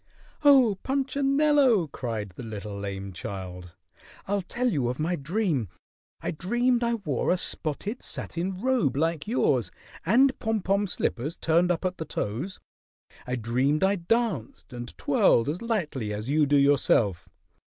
"Oh, Punchinello!" cried the little lame child. "I'll tell you of my dream. I dreamed I wore a spotted satin robe like yours and pom pom slippers turned up at the toes. I dreamed I danced and twirled as lightly as you do yourself.